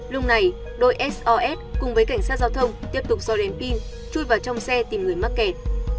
lúc này đội sos cùng với cảnh sát giao thông tiếp tục do đèn pin chui vào trong xe tìm người mắc kẹt